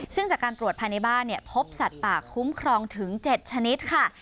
ซึ่งจากการตรวจภายในบ้านพบสัตว์ป่าคุ้มครองถึง๗ชนิดค่ะ